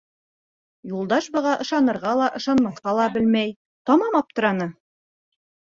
Юлдаш быға ышанырға ла, ышанмаҫҡа ла белмәй, тамам аптыраны.